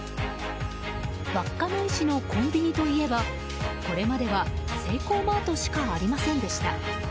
稚内市のコンビニといえばこれまではセイコーマートしかありませんでした。